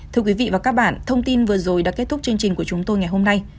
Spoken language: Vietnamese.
thưa quý vị và các bạn thông tin vừa rồi đã kết thúc chương trình của chúng tôi ngày hôm nay